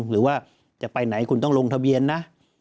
หรือว่าจะไปไหนคุณต้องลงทะเบียนนะ